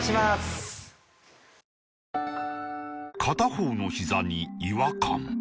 片方のひざに違和感